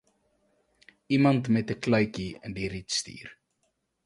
Iemand met ’n kluitjie in die riet stuur